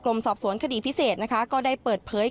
กลมสับสวนคดีพิเศษก็ได้เปิดเผย